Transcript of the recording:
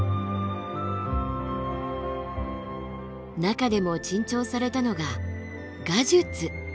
中でも珍重されたのがガジュツ。